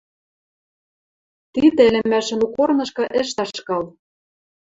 Тидӹ ӹлӹмӓшӹн у корнышкы ӹш ташкал.